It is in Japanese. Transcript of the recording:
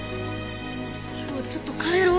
今日はちょっと帰ろう。